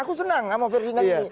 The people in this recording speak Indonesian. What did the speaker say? aku senang sama ferdinand ini